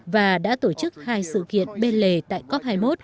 và đã tổ chức hai sự kiện bên lề tại cop hai mươi một